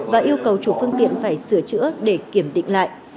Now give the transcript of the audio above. và yêu cầu chủ phương tiện phải sửa chữa để kiểm định lại